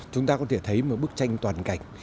chúng ta có thể thấy một bức tranh toàn cảnh